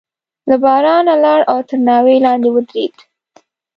له بارانه لاړ او تر ناوې لاندې ودرېد.